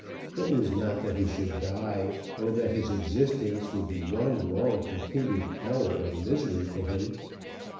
It was not that he should die, or that his existence would be one long continued hour of misery to him.